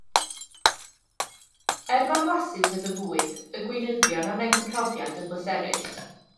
Er mor flasus oedd y bwyd, y gweinyddion a wnaeth y profiad yn bleserus.